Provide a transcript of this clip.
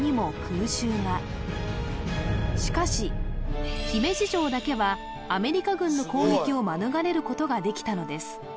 しかし姫路城だけはアメリカ軍の攻撃を免れることができたのです